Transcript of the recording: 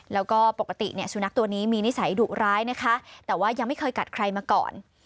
แล้วก็ปกติเนี่ยสุนัขตัวนี้มีนิสัยดุร้ายนะคะแต่ว่ายังไม่เคยกัดใครมาก่อน